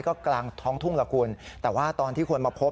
ก็กลางท้องทุ่งละคุณแต่ว่าตอนที่คนมาพบ